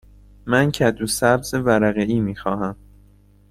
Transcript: من کدو سبز ورقه ای می خواهم.